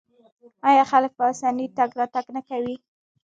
آیا خلک په اسانۍ تګ راتګ نه کوي؟